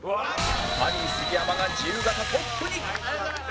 ハリー杉山が自由形トップに！